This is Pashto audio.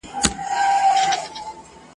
چي په نوم به د اسلام پورته کېدلې !.